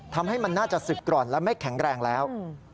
ทำให้มันน่าจะศึกกร่อนและไม่แข็งแรงแล้ว